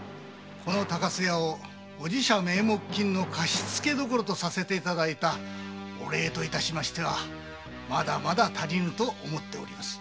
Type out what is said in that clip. この高須屋をお寺社名目金の貸付所とさせていただいたお礼と致しましてはまだまだ足りぬと思っております。